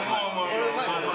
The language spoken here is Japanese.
俺うまいですか？